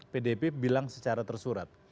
pdip bilang secara tersurat